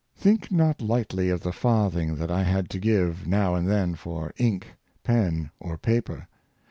Think not lightly of the farthing that I had to give, now and then, for ink, pen, or paper